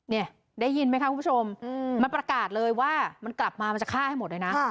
เนี่ยได้ยินไหมคะคุณผู้ชมมันประกาศเลยว่ามันกลับมามันจะฆ่าให้หมดเลยนะ